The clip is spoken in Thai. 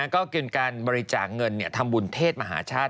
ก็เป็นการบริจาคเงินทำบุญเทศมหาชาติ